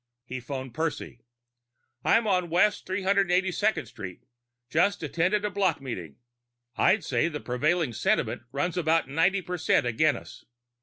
He phoned Percy. "I'm on West 382nd Street. Just attended a block meeting. I'd say the prevailing sentiment runs about ninety percent agin us.